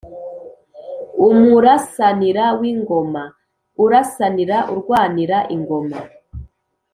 umurasanira w’ingoma: urasanira (urwanira) ingoma